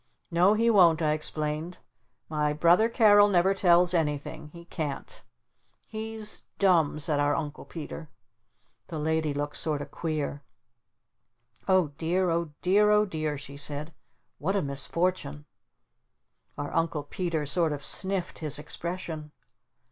"No he won't," I explained. "My brother Carol never tells anything. He can't." "He's dumb," said our Uncle Peter. The Lady looked sort of queer. "Oh dear Oh dear Oh dear," she said. "What a misfortune!" Our Uncle Peter sort of sniffed his expression.